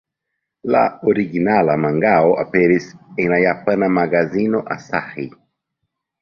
La originala mangao aperis en la japana magazino Asahi.